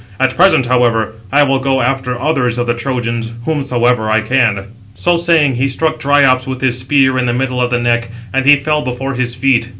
At present, however, I will go after others of the Trojans, whomsoever I can." So saying, he struck Dryops with his spear in the middle of the neck, and he fell before his feet.